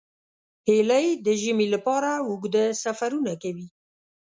هیلۍ د ژمي لپاره اوږده سفرونه کوي